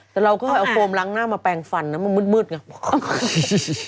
แต่เราก็เอาโฟมล้างหน้ามาแปลงฟันนะมันมืดไง